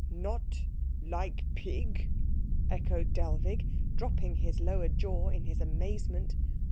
"Not like pig?" echoed Dellwig, dropping his lower jaw in his amazement.